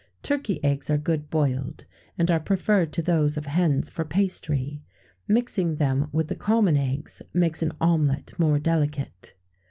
Turkey eggs are good boiled, and are preferred to those of hens for pastry; mixing them with the common eggs makes an omelette more delicate.